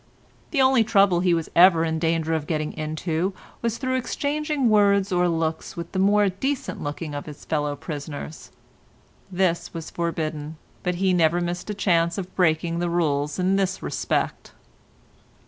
The only trouble he was ever in danger of getting into was through exchanging words or looks with the more decent looking of his fellow prisoners. This was forbidden, but he never missed a chance of breaking the rules in this respect.